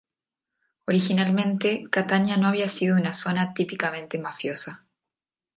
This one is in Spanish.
Originalmente, Catania no había sido una zona típicamente mafiosa.